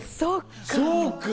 そっか！